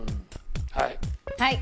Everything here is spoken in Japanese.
はい。